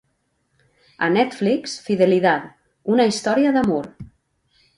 A Netflix, "Fidelidad", una història d'amor.